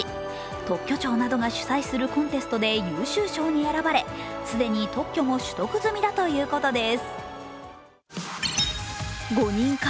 特許庁などが主催するコンテストで優秀賞に選ばれ既に特許も取得済みだということです。